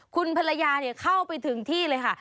คุณภรรยาเข้าไปถึงที่เลยค่ะ